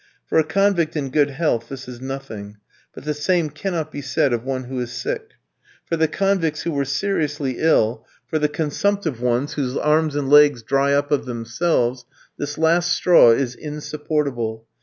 For a convict in good health this is nothing, but the same cannot be said of one who is sick. For the convicts who were seriously ill, for the consumptive ones whose arms and legs dry up of themselves, this last straw is insupportable.